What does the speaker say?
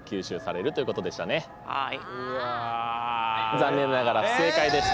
はい残念ながら不正解でした。